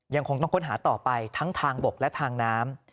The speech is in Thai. ยังคงต้องค้นหาต่อไปทั้งทางบกและทางน้ำ